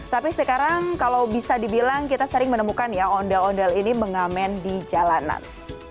tapi sekarang kalau bisa dibilang kita sering menemukan ya ondel ondel ini mengamen di jalanan